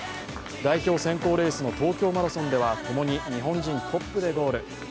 代表選考レースの東京マラソンでは共に日本人トップでゴール。